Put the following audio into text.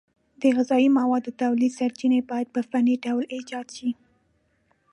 د غذایي موادو تولید سرچینې باید په فني ډول ایجاد شي.